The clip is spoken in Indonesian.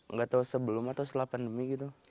nggak tahu sebelum atau setelah pandemi gitu